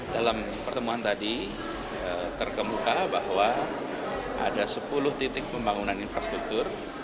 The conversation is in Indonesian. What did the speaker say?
dalam pertemuan tadi terkemuka bahwa ada sepuluh titik pembangunan infrastruktur